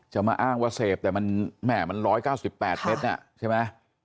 จะมาอ้างว่าเสพแต่มันแหม่มันร้อยเก้าสิบแปดเม็ดน่ะใช่ไหม